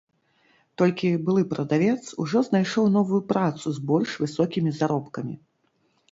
Толькі былы прадавец ужо знайшоў новую працу з больш высокімі заробкамі.